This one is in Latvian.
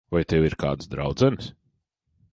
Vai tev ir kādas draudzenes?